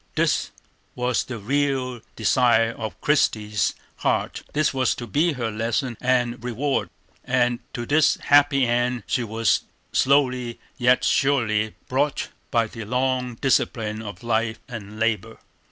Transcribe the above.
This was the real desire of Christie's heart; this was to be her lesson and reward, and to this happy end she was slowly yet surely brought by the long discipline of life and labor.